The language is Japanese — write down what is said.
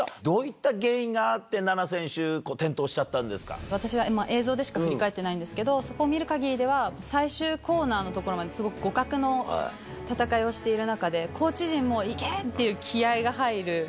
どういった原因があって、菜那選手、転倒しちゃった私は映像でしか振り返ってないんですけど、そこを見るかぎりでは、最終コーナーの所まですごく互角の戦いをしている中で、コーチ陣も行けーっていう気合いが入る。